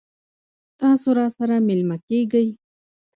تاسو راسره میلمه کیږئ؟